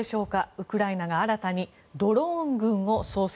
ウクライナが新たにドローン軍を創設。